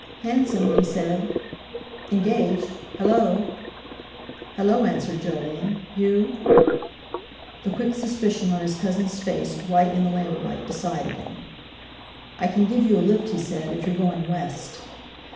"Hansom!" he said. "Engaged? Hallo!" "Hallo!" answered Jolyon. "You?" The quick suspicion on his cousin's face, white in the lamplight, decided him. "I can give you a lift," he said, "if you're going West."